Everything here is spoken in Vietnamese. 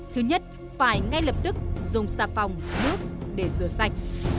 thứ nhất phải ngay lập tức dùng xà phòng nước để rửa sạch